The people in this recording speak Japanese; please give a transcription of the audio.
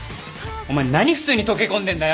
お前何普通に溶け込んでんだよ！